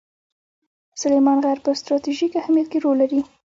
سلیمان غر په ستراتیژیک اهمیت کې رول لري.